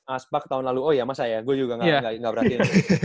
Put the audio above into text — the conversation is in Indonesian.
aspak tahun lalu oh ya masa ya gue juga gak berhatiin